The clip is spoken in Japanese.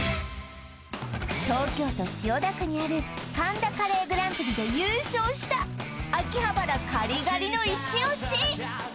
東京都千代田区にある神田カレーグランプリで優勝した秋葉原カリガリのイチオシ！